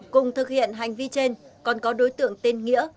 cùng thực hiện hành vi trên còn có đối tượng tên nghĩa